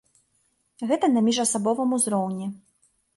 Гэта на міжасабовым узроўні.